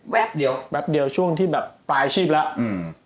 แป๊บเดียวช่วงที่ปลายอาชีพแล้ว